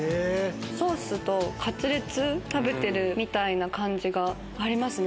ソースとカツレツ食べてるみたいな感じがありますね。